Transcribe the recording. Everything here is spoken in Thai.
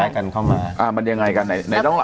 มันยังไงกัน